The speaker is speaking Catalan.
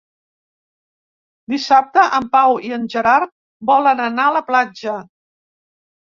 Dissabte en Pau i en Gerard volen anar a la platja.